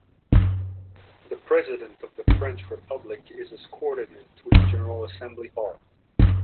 The President of the French Republic is escorted into the General Assembly Hall.